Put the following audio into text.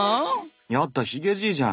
ヤッダヒゲじいじゃん。